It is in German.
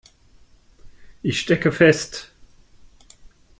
Ich stecke fest.